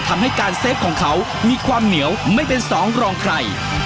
ทำให้การเซฟของเขามีความเหนียวไม่เป็นสองรองใคร